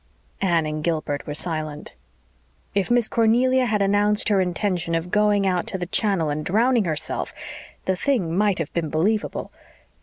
Anne and Gilbert were silent. If Miss Cornelia had announced her intention of going out to the channel and drowning herself the thing might have been believable.